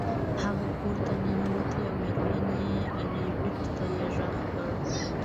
هغه کور ته ننوت او میرمن ربیټ ته یې غږ کړ